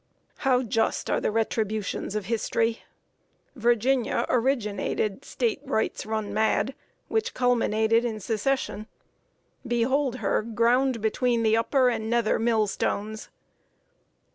How just are the retributions of history! Virginia originated State Rights run mad, which culminated in Secession. Behold her ground between the upper and nether mill stones!